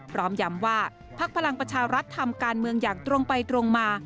พร้อมย้ำว่าพักพลังประชารัฐทำการเมืองอย่างตรงไปตรงมา